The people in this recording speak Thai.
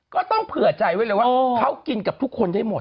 ก็ต้องเผื่อใจไว้เลยว่าเขากินกับทุกคนได้หมด